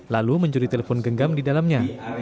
lalu mencuri telepon genggam di dalamnya